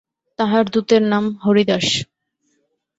তাঁহার দূতের নাম হরিদাস।